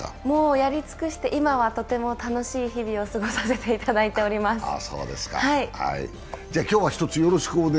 もうやり尽くして、今はとても楽しい日々を過ごさせていただいています。